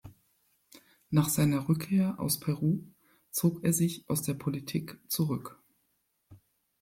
Nach seiner Rückkehr aus Peru zog er sich aus der Politik zurück.